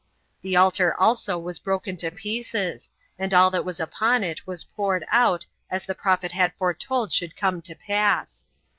The altar also was broken to pieces, and all that was upon it was poured out, as the prophet had foretold should come to pass.